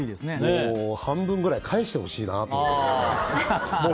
もう半分くらい返してほしいなと思う。